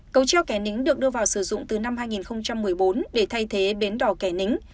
cầu treo kẻ nính được đưa vào sử dụng từ năm hai nghìn một mươi bốn để thay thế bến đỏ kẻ nính